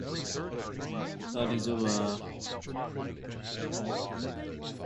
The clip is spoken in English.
Yachad organizes day trips to East Jerusalem and the southern West Bank.